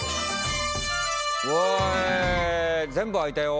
わ全部開いたよ。